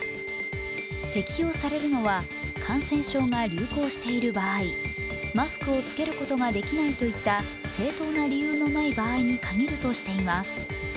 適用されるのは感染症が流行している場合、マスクを着けることができないといった正当な理由のない場合に限るとしています。